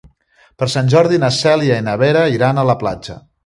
Per Sant Jordi na Cèlia i na Vera iran a la platja.